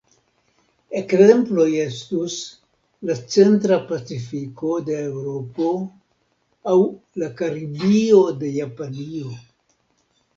Ekzemploj estus la Centra Pacifiko de Eŭropo aŭ la Karibio de Japanio.